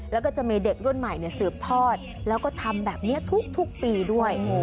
แล้วก็จะมีเด็กรุ่นใหม่สืบทอดแล้วก็ทำแบบนี้ทุกปีด้วย